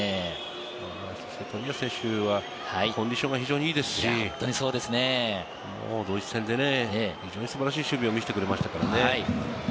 冨安選手はコンディションが非常にいいですし、ドイツ戦で非常に素晴らしい守備を見せてくれましたからね。